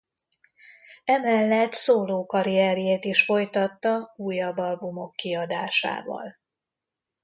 Emellett szólókarrierjét is folytatta újabb albumok kiadásával.